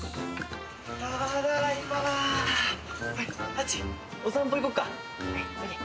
ハッチお散歩行こっか。